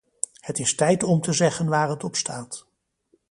Het is tijd om te zeggen waar het op staat.